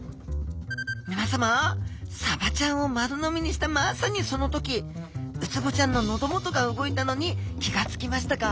みなさまサバちゃんを丸飲みにしたまさにその時ウツボちゃんの喉元が動いたのに気が付きましたか？